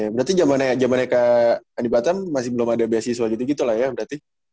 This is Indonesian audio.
berarti zaman ya ke ani batam masih belum ada beasiswa gitu lah ya berarti